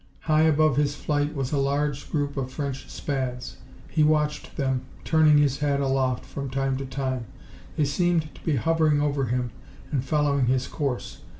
High above his flight was a large group of French Spads. He watched them, turning his head aloft from time to time. They seemed to be hovering over him and following his course.